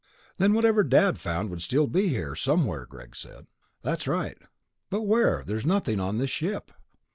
"Then whatever Dad found would still be here, somewhere," Greg said. "That's right." "But where? There's nothing on this ship."